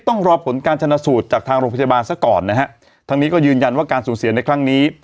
ต้องรอผลการชนะสูตรจากทางโรงพยาบาลซะก่อนนะฮะทั้งนี้ก็ยืนยันว่าการสูญเสียในครั้งนี้